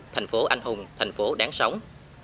thành phố anh hùng thành phố đáng sống